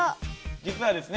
実はですね